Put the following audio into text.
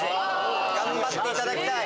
頑張っていただきたい。